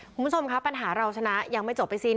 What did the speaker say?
คุณผู้ชมครับปัญหาเราชนะยังไม่จบไม่สิ้น